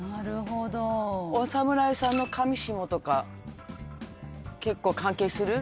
お侍さんのかみしもとか結構関係する？